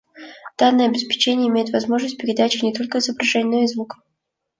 Данное обеспечение имеет возможность передачи не только изображения, но и звука